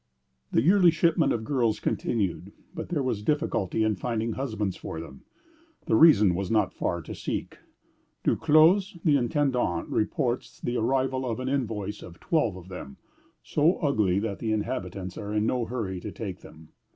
The yearly shipment of girls continued; but there was difficulty in finding husbands for them. The reason was not far to seek. Duclos, the intendant, reports the arrival of an invoice of twelve of them, "so ugly that the inhabitants are in no hurry to take them."